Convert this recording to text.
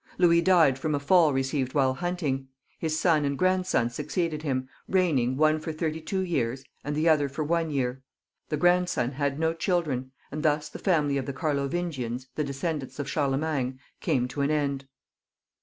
Louis died from a fall out hunting ; his son and grandson succeeded him, reign ing, one for thirty two years, the other for one year. The grandson had no children, and thus the family of the Car lovingians, the descendants of Charlemagne, came to an end.